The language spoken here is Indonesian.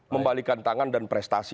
membalikan tangan dan prestasi